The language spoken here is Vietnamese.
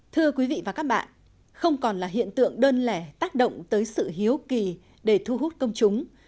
thưa quý vị và các bạn không còn là hiện tượng đơn lẻ tác động tới sự hiếu kỳ để thu hút công chúng